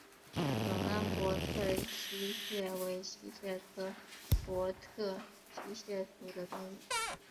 永安博特溪蟹为溪蟹科博特溪蟹属的动物。